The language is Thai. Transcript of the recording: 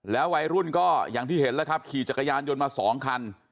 วัยรุ่นก็อย่างที่เห็นแล้วครับขี่จักรยานยนต์มาสองคัน